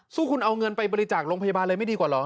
สู้คุณเอาเงินไปบริจาคโรงพยาบาลเลยไม่ดีกว่าเหรอ